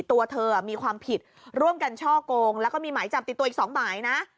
ตัวเธอมีความผิดร่วมกันช่อกงแล้วก็มีหมายจับติดตัวอีก๒หมายนะ